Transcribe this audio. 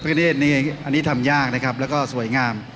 เนธนี่อันนี้ทำยากนะครับแล้วก็สวยงาม